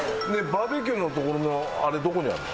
バーベキューのところのあれどこにあんの？